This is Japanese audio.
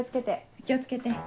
お気を付けて。